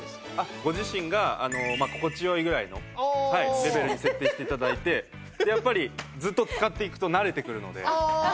ご自身が心地良いぐらいのレベルに設定して頂いてやっぱりずっと使っていくと慣れてくるのではい。